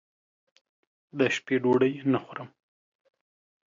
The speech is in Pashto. دشپې ډوډۍ نه خورم